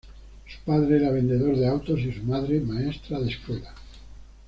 Su padre era vendedor de autos y su madre, maestra de escuela.